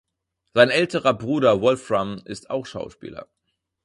Sein älterer Bruder Wolfram ist auch Schauspieler.